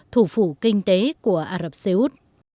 thủ phủ kinh tế của ả rập xê út